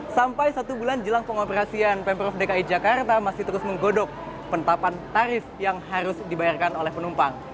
sampai satu bulan jelang pengoperasian pemprov dki jakarta masih terus menggodok pentapan tarif yang harus dibayarkan oleh penumpang